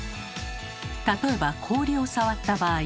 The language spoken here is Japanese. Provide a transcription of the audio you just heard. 例えば氷を触った場合。